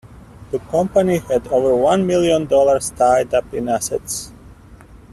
The company had over one million dollars tied up in assets.